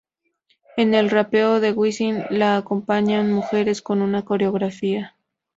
En el rapeo de Wisin, lo acompañan mujeres con una coreografía.